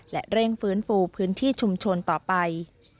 และเร่งฟื้นฟูพื้นที่ชุมชนต่อไป